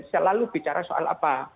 selalu bicara soal apa